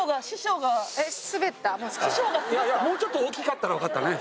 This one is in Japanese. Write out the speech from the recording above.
もうちょっと大きかったら分かったね。